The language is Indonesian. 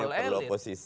ini yang perlu posisi